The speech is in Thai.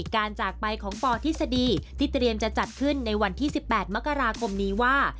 การจากไปของปทฤษฎีที่เตรียมจะจัดขึ้นในวันที่๑๘มกราคมนี้ว่า